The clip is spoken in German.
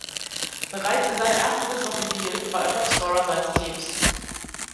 Bereits in seiner ersten Saison in Biel war er Top Scorer seines Teams.